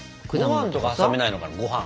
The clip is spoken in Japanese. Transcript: ご飯とか挟めないのかなご飯。